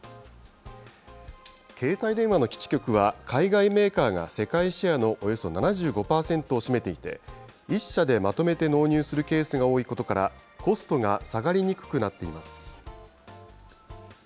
携帯電話の基地局は、海外メーカーが世界シェアのおよそ７５％を占めていて、１社でまとめて納入するケースが多いことから、コストが下がりにくくなっています。